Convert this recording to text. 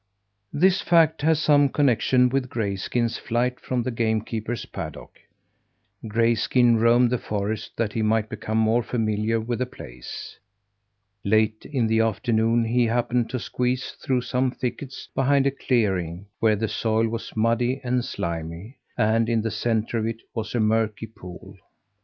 This fact has some connection with Grayskin's flight from the game keeper's paddock. Grayskin roamed the forest that he might become more familiar with the place. Late in the afternoon he happened to squeeze through some thickets behind a clearing where the soil was muddy and slimy, and in the centre of it was a murky pool.